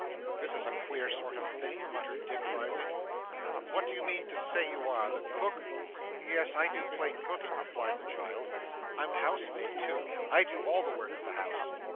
'This is a queer sort of thing,' muttered Dick, rising. 'What do you mean to say you are the cook?' 'Yes, I do plain cooking;' replied the child. 'I'm housemaid too; I do all the work of the house.